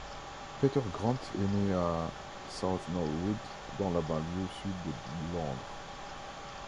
Peter Grant est né à South Norwood, dans la banlieue sud de Londres.